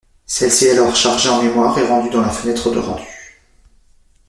Celle-ci est alors chargée en mémoire et rendue dans la fenêtre de rendu.